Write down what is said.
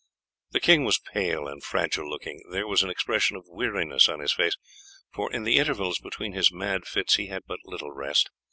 The king was pale and fragile looking; there was an expression of weariness on his face, for in the intervals between his mad fits he had but little rest.